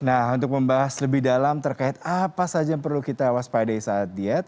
nah untuk membahas lebih dalam terkait apa saja yang perlu kita waspadai saat diet